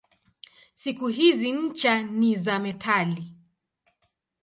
Siku hizi ncha ni za metali.